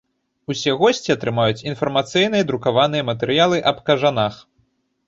Усе госці атрымаюць інфармацыйныя друкаваныя матэрыялы аб кажанах.